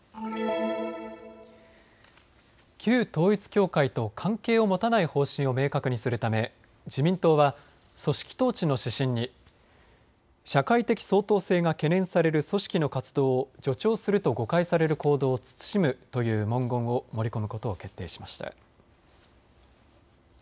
旧統一教会と関係を持たない方針を明確にするため自民党は組織統治の指針に社会的相当性が懸念される組織の活動を助長すると誤解される行動を慎むという文言を盛り込むことを決定しました。